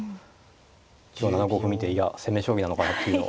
今日７五歩見ていや攻め将棋なのかなっていうのを。